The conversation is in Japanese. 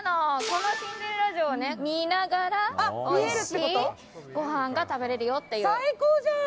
このシンデレラ城を見ながらおいしいごはんが食べれるよっていう。